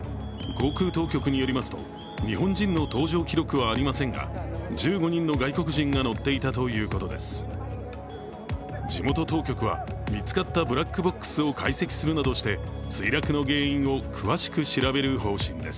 航空当局によりますと日本人の搭乗記録はありませんが１５人の外国人が乗っていたということです。